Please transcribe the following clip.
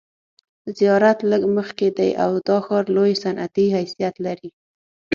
زیارت لږ مخکې دی او دا ښار لوی صنعتي حیثیت لري.